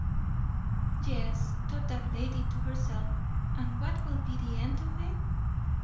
Yes, thought that lady to herself, and what will be the end of it?